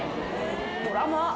ドラマ。